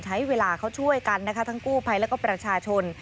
ใช้เวลาเขาช่วยกันนะคะทั้งกู้ภัยแล้วก็ประชาชน